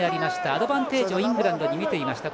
アドバンテージをイングランドにみていました。